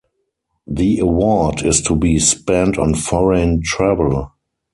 The award is to be spent on foreign travel.